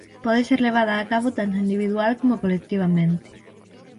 Pode ser levada a cabo tanto individual como colectivamente.